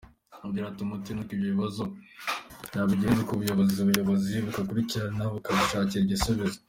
Agira ati “Umuti ni uko ibyo bibazo yabigeza ku buyobozi, ubuyobozi bukabikurikirana bukabishakira igisubizo.